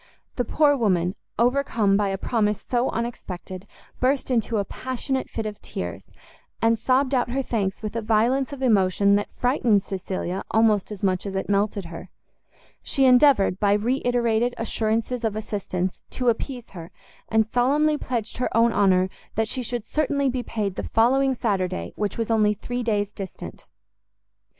The poor woman, overcome by a promise so unexpected, burst into a passionate fit of tears, and sobbed out her thanks with a violence of emotion that frightened Cecilia almost as much as it melted her. She endeavoured, by re iterated assurances of assistance, to appease her, and solemnly pledged her own honour that she should certainly be paid the following Saturday, which was only three days distant.